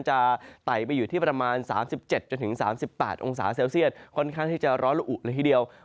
ไต่ไปอยู่ที่ประมาณ๓๗๓๘องศาเซลเซียตค่อนข้างที่จะร้อนละอุเลยทีเดียว